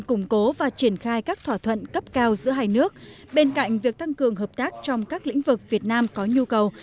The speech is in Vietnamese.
củng cố và triển khai các thỏa thuận cấp cao giữa hai nước bên cạnh việc tăng cường hợp tác trong các lĩnh vực việt nam có nhu cầu